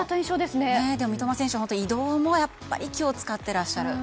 三笘選手は移動も気を使っていらっしゃると。